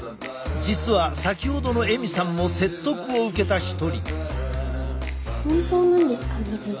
実は先ほどのエミさんも説得を受けた一人。